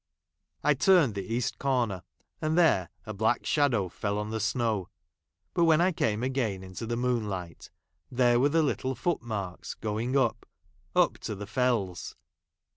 I j turned the east corner, and there a black V shadow fell on the snow ; but when I came jj again into the moonlight, there were the , little footmarks going up — up to the Fells.